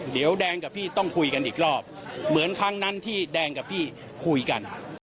เดี๋ยวแดงกับพี่ต้องคุยกันอีกรอบเหมือนครั้งนั้นที่แดงกับพี่คุยกัน